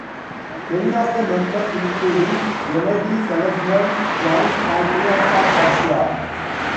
Many of the members including Gennady Seleznev joined Patriots of Russia.